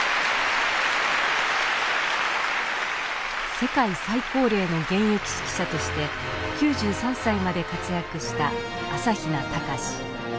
世界最高齢の現役指揮者として９３歳まで活躍した朝比奈隆。